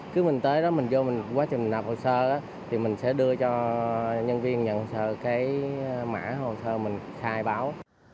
cứ mình tới đó mình vô mình quá trình đặt hồ sơ thì mình sẽ đưa cho nhân viên nhận hồ sơ cái mã hồ sơ mình khai báo